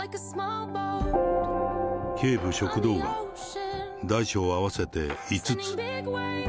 けい部食道がん、大小合わせて５つ。